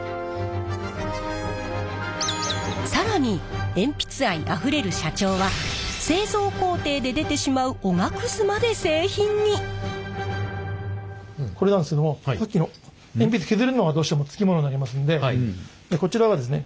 更に鉛筆愛あふれる社長は製造工程で出てしまうこれなんですけどもさっきの鉛筆削るのはどうしても付き物になりますんでこちらはですね